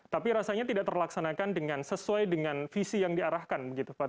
tapi rasanya tidak terlaksanakan sesuai dengan visi yang diarahkan